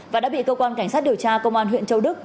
và đã bị cơ quan cảnh sát điều tra công an huyện châu đức